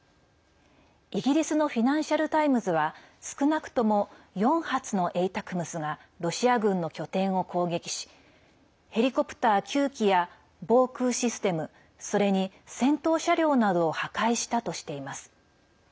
イギリスのフィナンシャル・タイムズは少なくとも４発のＡＴＡＣＭＳがロシア軍の拠点を攻撃しヘリコプター９機や防空システムそれに戦闘車両などを破壊したとしています。